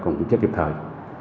họ cũng chết kịp thời